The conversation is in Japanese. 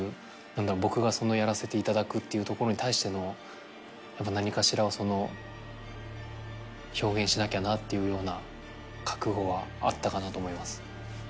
僕がやらせていただくっていうところに対しての何かしらを表現しなきゃなっていうような覚悟はあったかなと思います。